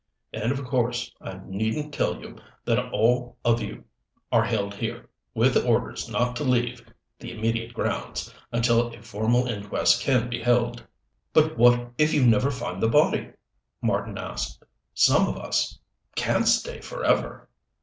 And of course I needn't tell you that all of you are held here, with orders not to leave the immediate grounds, until a formal inquest can be held." "But what if you never find the body?" Marten asked. "Some of us can't stay forever."